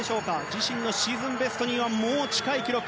自身のシーズンベストに近い記録。